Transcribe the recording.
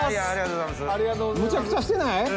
むちゃくちゃしてない？